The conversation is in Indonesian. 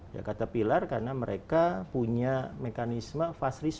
ya caterpillar karena mereka punya mekanisme fast react